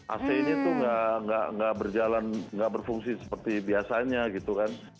ac ini tuh nggak berjalan nggak berfungsi seperti biasanya gitu kan